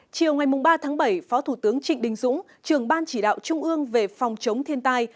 chiều ngày ba tháng bảy phó thủ tướng trịnh đình dũng trường ban chỉ đạo trung ương về phòng chống thiên tai